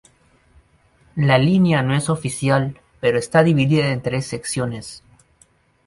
La línea no es oficial pero está dividida en tres secciones.